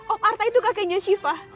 om arta itu kakenya siva